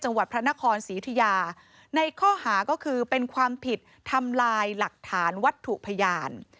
จังหวัดพระนครศรียุธิยาในข้อหาก็คือเป็นความผิดทำลายหลักฐานวัตถุพยาน